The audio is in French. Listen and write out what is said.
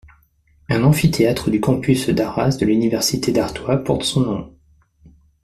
Un amphithéâtre du campus d'Arras de l'université d'Artois porte son nom.